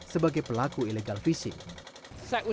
sebagai penjaga laut perairan latondu dan rajuni